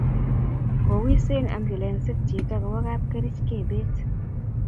kowise abulensit chito kowo kapkerich kebet